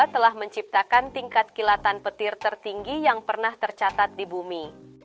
telah menciptakan tingkat kilatan petir tertinggi yang pernah tercatat di bumi